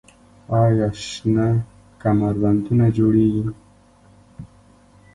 آیا شنه کمربندونه جوړیږي؟